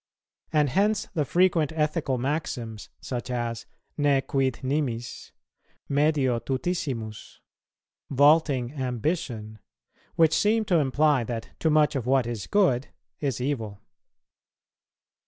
And hence the frequent ethical maxims, such as, "Ne quid nimis," "Medio tutissimus," "Vaulting ambition," which seem to imply that too much of what is good is evil.